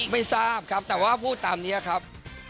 ไม่ทราบครับแต่ว่าพูดตามนี้ครับ